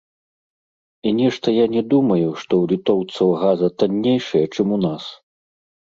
І нешта я не думаю, што ў літоўцаў газа таннейшая, чым у нас.